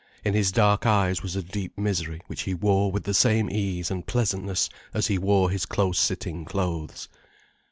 In his dark eyes was a deep misery which he wore with the same ease and pleasantness as he wore his close sitting clothes.